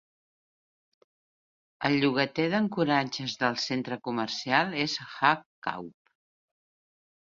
El llogater d'ancoratges del centre comercial és Hagkaup.